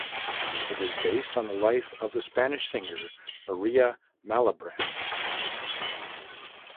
It is based on the life of the Spanish singer Maria Malibran.